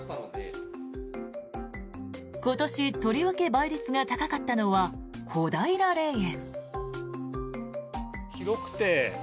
今年、とりわけ倍率が高かったのは小平霊園。